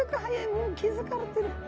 もう気付かれてる。